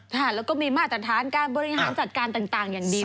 ค่ะแล้วก็มีมาตรฐานการบริหารจัดการต่างอย่างดี